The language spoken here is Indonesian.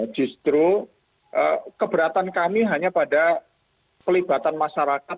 justru keberatan kami hanya pada pelibatan masyarakat